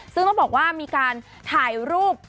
ซึ่งต้องบอกว่ามีการถ่ายรูป